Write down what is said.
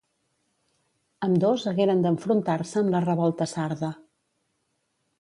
Ambdós hagueren d’enfrontar-se amb la revolta sarda.